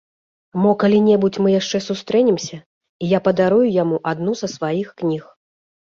Мо калі-небудзь мы яшчэ сустрэнемся, і я падарую яму адну са сваіх кніг.